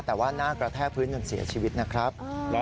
แต่ว่าหน้ากระแทกพื้นจนเสียชีวิตนะครับ